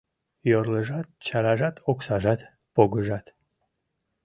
Йорлыжат-чаражат Оксажат, погыжат...